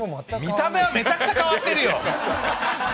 見た目はめちゃくちゃ変わってるよ。